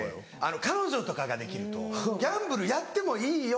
彼女とかができると「ギャンブルやってもいいよ。